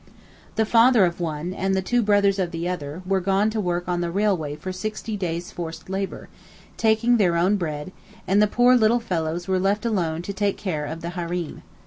The father of one, and the two brothers of the other, were gone to work on the railway for sixty days' forced labour, taking their own bread, and the poor little fellows were left alone to take care of the Hareem.